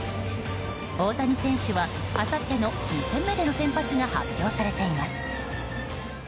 大谷選手はあさっての２戦目での先発が発表されています。